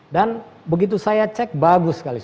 dan begitu saya cek bagus sekali